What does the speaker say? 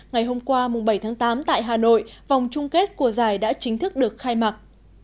ngày hôm qua bảy tám tại hà nội vòng chung kết của giải đã chính thức được khai mặt